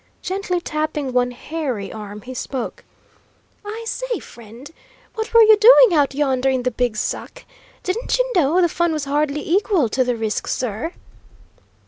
Gently tapping one hairy arm, he spoke: "I say, friend, what were you doing out yonder in the big suck? Didn't you know the fun was hardly equal to the risk, sir?"